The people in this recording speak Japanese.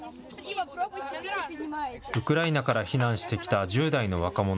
ウクライナから避難してきた１０代の若者